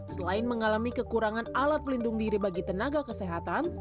selain mengalami kekurangan alat pelindung diri bagi tenaga kesehatan